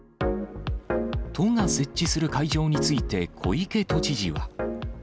都が設置する会場について、小池都知事は。